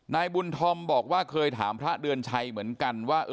นายบุญธอมบอกว่าเคยถามพระเดือนชัยเหมือนกันว่า